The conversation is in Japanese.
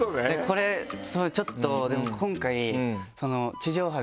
これちょっとでも今回。